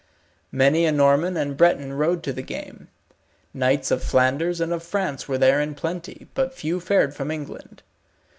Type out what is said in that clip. Many a Norman and Breton rode to the game; knights of Flanders and of France were there in plenty, but few fared from England.